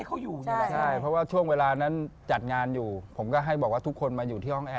คือห้องที่หนูปล่อยให้เขาอยู่ค่ะ